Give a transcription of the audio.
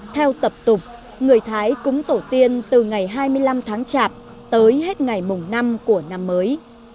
theo tập tục người thái cúng tổ tiên từ ngày hai mươi năm tháng chạp tới hết ngày mùng năm của năm mới